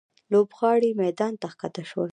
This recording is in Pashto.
لوبغاړي میدان ته ښکته شول.